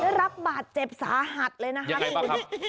ได้รับบาดเจ็บสาหัสเลยนะครับยังไงบ้างครับ